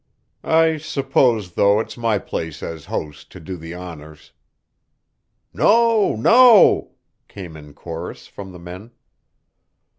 "I suppose, though, it's my place as host to do the honors." "No no," came in chorus from the men.